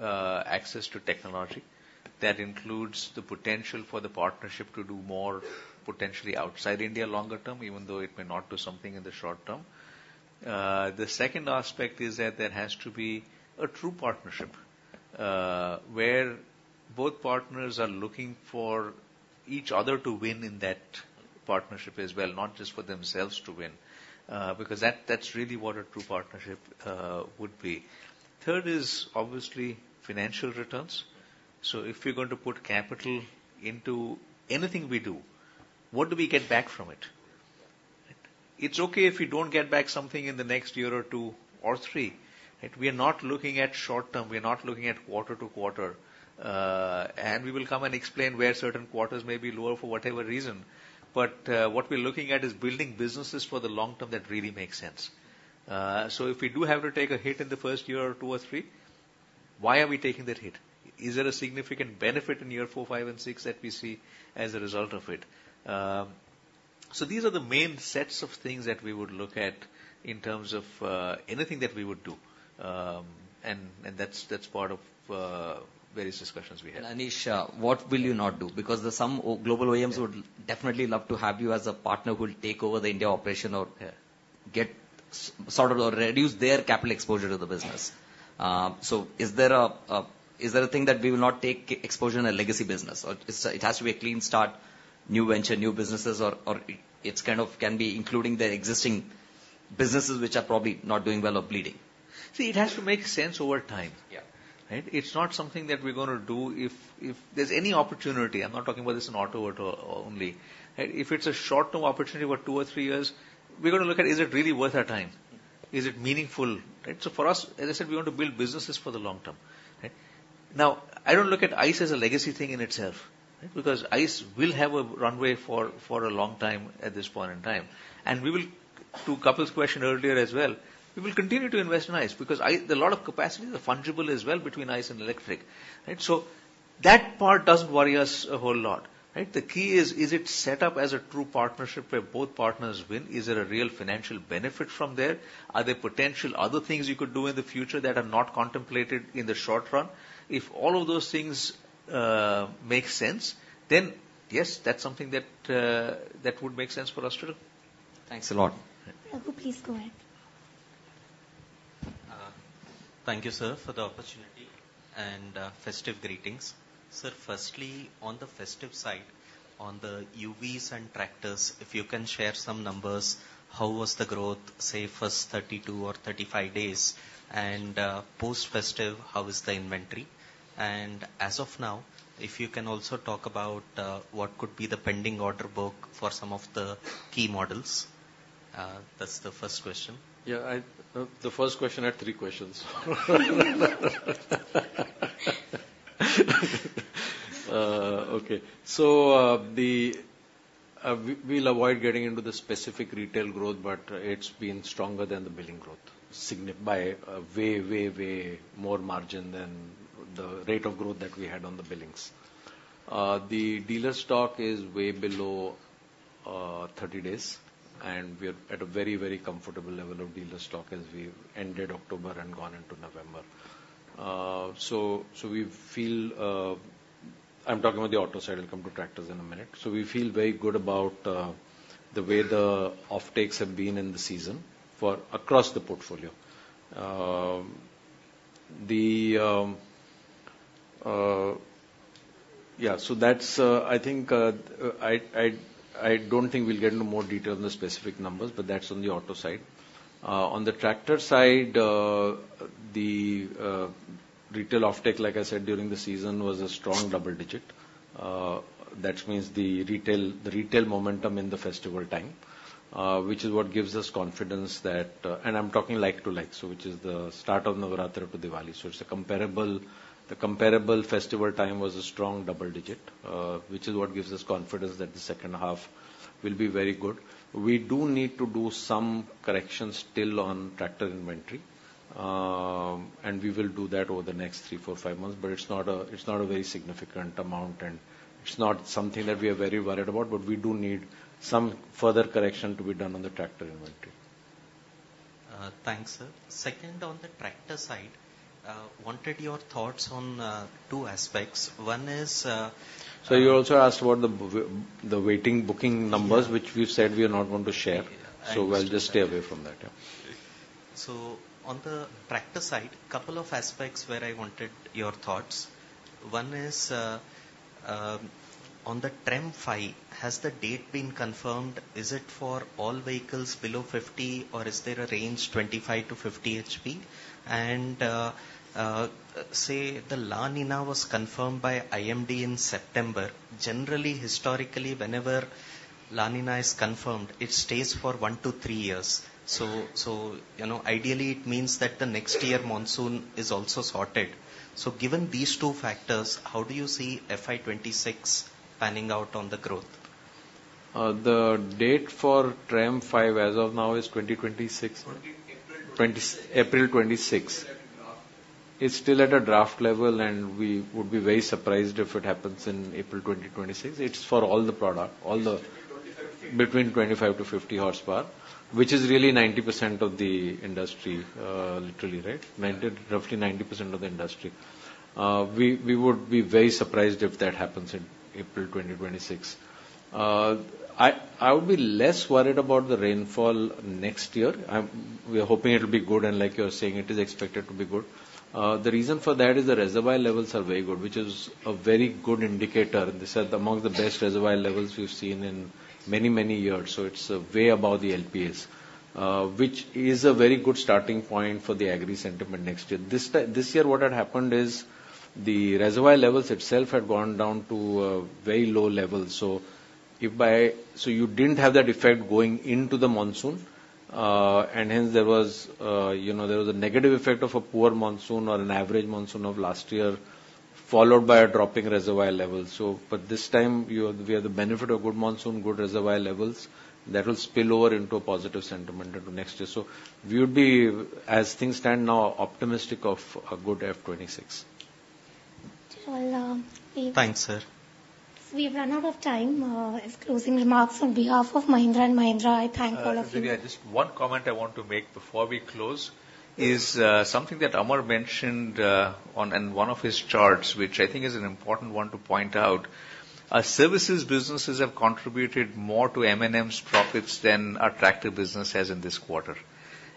access to technology. That includes the potential for the partnership to do more potentially outside India longer term, even though it may not do something in the short term. The second aspect is that there has to be a true partnership where both partners are looking for each other to win in that partnership as well, not just for themselves to win. Because that's really what a true partnership would be. Third is obviously financial returns. So if you're going to put capital into anything we do, what do we get back from it? It's okay if you don't get back something in the next year or two or three. We are not looking at short term. We are not looking at quarter to quarter, and we will come and explain where certain quarters may be lower for whatever reason. But what we're looking at is building businesses for the long term that really make sense, so if we do have to take a hit in the first year or two or three, why are we taking that hit? Is there a significant benefit in year four, five, and six that we see as a result of it? So these are the main sets of things that we would look at in terms of anything that we would do, and that's part of various discussions we have.
And Anish, what will you not do? Because some global OEMs would definitely love to have you as a partner who'll take over the India operation or reduce their capital exposure to the business. So is there a thing that we will not take exposure in a legacy business? It has to be a clean start, new venture, new businesses, or it kind of can be including the existing businesses which are probably not doing well or bleeding?
See, it has to make sense over time. It's not something that we're going to do if there's any opportunity. I'm not talking about this in auto or auto only. If it's a short-term opportunity for two or three years, we're going to look at, is it really worth our time? Is it meaningful? So for us, as I said, we want to build businesses for the long term. Now, I don't look at ICE as a legacy thing in itself because ICE will have a runway for a long time at this point in time. And to Kapil's question earlier as well, we will continue to invest in ICE because a lot of capacity is fungible as well between ICE and electric. So that part doesn't worry us a whole lot. The key is, is it set up as a true partnership where both partners win? Is there a real financial benefit from there? Are there potential other things you could do in the future that are not contemplated in the short run? If all of those things make sense, then yes, that's something that would make sense for us to do.
Thanks a lot.
Oh, please go ahead.
Thank you, sir, for the opportunity and festive greetings. Sir, firstly, on the festive side, on the UVs and tractors, if you can share some numbers, how was the growth, say, first 32 or 35 days? And post-festive, how is the inventory? And as of now, if you can also talk about what could be the pending order book for some of the key models. That's the first question.
Yeah. The first question, I had three questions. Okay. So we'll avoid getting into the specific retail growth, but it's been stronger than the billing growth by way, way, way more margin than the rate of growth that we had on the billings. The dealer stock is way below 30 days, and we're at a very, very comfortable level of dealer stock as we ended October and gone into November. So I'm talking about the auto side. I'll come to tractors in a minute. So we feel very good about the way the offtakes have been in the season across the portfolio. Yeah. So I don't think we'll get into more detail on the specific numbers, but that's on the auto side. On the tractor side, the retail offtake, like I said, during the season was a strong double digit. That means the retail momentum in the festival time, which is what gives us confidence that, and I'm talking like to like, so which is the start of Navratri to Diwali. So it's the comparable festival time was a strong double-digit, which is what gives us confidence that the second half will be very good. We do need to do some corrections still on tractor inventory, and we will do that over the next three, four, five months, but it's not a very significant amount, and it's not something that we are very worried about, but we do need some further correction to be done on the tractor inventory.
Thanks, sir. Second, on the tractor side, I wanted your thoughts on two aspects. One is.
So you also asked about the waiting booking numbers, which we've said we are not going to share. So we'll just stay away from that.
So on the tractor side, a couple of aspects where I wanted your thoughts. One is on the TREM V, has the date been confirmed? Is it for all vehicles below 50, or is there a range 25-50 HP? And say the La Niña was confirmed by IMD in September. Generally, historically, whenever La Niña is confirmed, it stays for one to three years. So ideally, it means that the next year monsoon is also sorted. So given these two factors, how do you see FY26 panning out on the growth?
The date for TREM V as of now is 2026. April 26. April 26. It's still at a draft level, and we would be very surprised if it happens in April 2026. It's for all the product, all the between 25 to 50 horsepower, which is really 90% of the industry, literally, right? Roughly 90% of the industry. We would be very surprised if that happens in April 2026. I would be less worried about the rainfall next year. We're hoping it'll be good, and like you're saying, it is expected to be good. The reason for that is the reservoir levels are very good, which is a very good indicator. This is among the best reservoir levels we've seen in many, many years. So it's way above the LPA, which is a very good starting point for the agri sentiment next year. This year, what had happened is the reservoir levels itself had gone down to a very low level. So you didn't have that effect going into the monsoon, and hence there was a negative effect of a poor monsoon or an average monsoon of last year followed by a dropping reservoir level. But this time, we have the benefit of good monsoon, good reservoir levels. That will spill over into a positive sentiment into next year. So we would be, as things stand now, optimistic of a good F26.
Thanks, sir.
We've run out of time. Closing remarks on behalf of Mahindra & Mahindra. I thank all of you.
Actually, just one comment I want to make before we close is something that Amar mentioned on one of his charts, which I think is an important one to point out. Services businesses have contributed more to M&M's profits than a tractor business has in this quarter.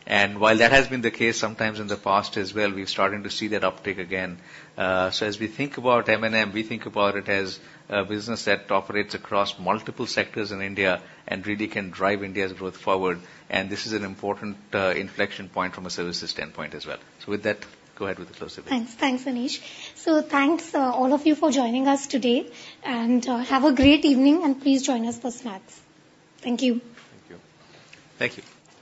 And while that has been the case sometimes in the past as well, we're starting to see that uptake again. So as we think about M&M, we think about it as a business that operates across multiple sectors in India and really can drive India's growth forward. And this is an important inflection point from a services standpoint as well. So with that, go ahead with the closing remarks.
Thanks. Thanks, Anish. So thanks all of you for joining us today. And have a great evening, and please join us for snacks. Thank you.
Thank you.
Thank you.